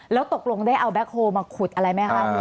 แล้วตกลงได้เอาแบ็คโฮลมาขุดอะไรไหมคะ